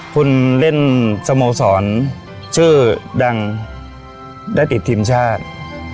คุณเล่นสโมสรชื่อดังได้ติดทีมชาติ